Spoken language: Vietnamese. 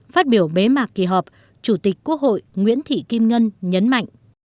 phát biểu bế mạc kỳ họp chủ tịch quốc hội nguyễn thị kim ngân nhấn mạnh